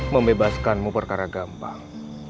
membebaskanmu perkara gampang